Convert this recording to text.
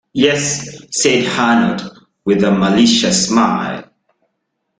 "Yes", said Hanaud, with a malicious smile.